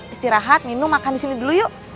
istirahat minum makan di sini dulu yuk